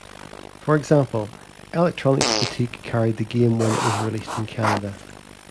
For example, Electronics Boutique carried the game when it was released in Canada.